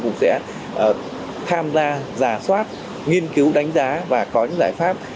cũng sẽ tham gia giả soát nghiên cứu đánh giá và có những giải pháp